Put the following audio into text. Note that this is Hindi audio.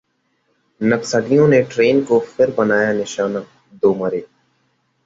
नक्सलियों ने ट्रेन को फिर बनाया निशाना, दो मरे